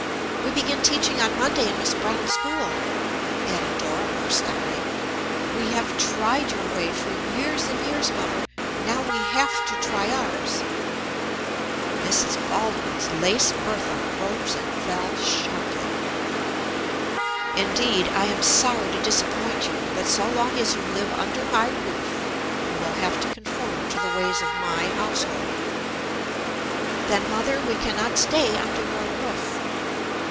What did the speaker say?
"We begin teaching on Monday in Miss Browne's school," added Dora more stoutly. "We have tried your way for years and years, mother. Now we have to try ours." Mrs. Baldwin's lace bertha rose and fell sharply. "Indeed. I am sorry to disappoint you, but so long as you live under my roof, you will have to conform to the ways of my household." "Then, mother, we can not stay under your roof."